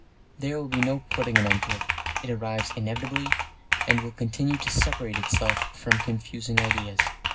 There will be no putting an end to it. It arrives inevitably, and it will continue to separate itself out from confusing ideas.